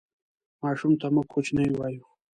ماشوم ته موږ کوچنی وایو